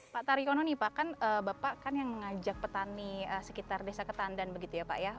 pak taryono nih pak kan bapak kan yang mengajak petani sekitar desa ketandan begitu ya pak ya